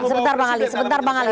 sebentar bang alin sebentar bang alin